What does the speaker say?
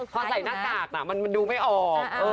พอใส่หน้ากากมันดูไม่ออก